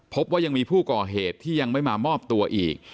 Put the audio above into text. พบว่ายังมีผู้ก่อเหตุที่ยังไม่มามอบตัวอีก